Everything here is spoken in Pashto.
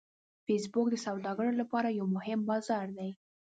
فېسبوک د سوداګرو لپاره یو مهم بازار دی